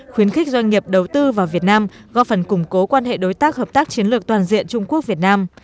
khuyến khích doanh nghiệp đầu tư vào việt nam góp phần củng cố quan hệ đối tác hợp tác chiến lược toàn diện trung quốc việt nam